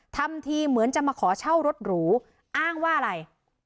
ทำทีเหมือนจะมาขอเช่ารถหรูอ้างว่าอะไร